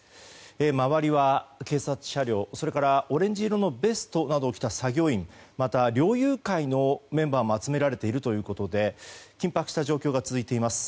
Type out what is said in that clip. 周りは警察車両それからオレンジ色のベストなどを着た作業員また、猟友会のメンバーも集められているということで緊迫した状況が続いています。